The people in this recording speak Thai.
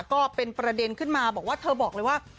ก็เป็นประเด็นขึ้นมาบอกว่าเธอบอกเลยว่า